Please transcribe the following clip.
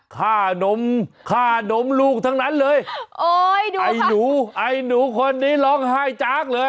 ค่านมค่านมลูกทั้งนั้นเลยโอ้ยดูไอ้หนูไอ้หนูคนนี้ร้องไห้จากเลย